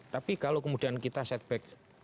tapi kalau kemudian kita setback